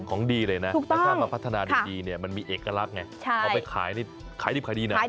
ของดีเลยนะถ้ามาพัฒนาดีมันมีเอกลักษณ์ออกไปขายดีนะ